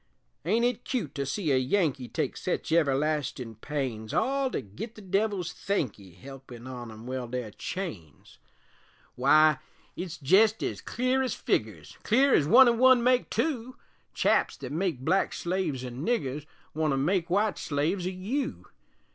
Ain't it cute to see a Yankee Take sech everlastin' pains, All to git the Devil's thankee Helpin' on 'em weld their chains? Wy, it's jest ez clear ez figgers, Clear ez one an' one make two, Chaps thet make black slaves o' niggers Want to make wite slaves o' you.